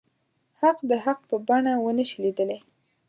حق د حق په بڼه ونه شي ليدلی.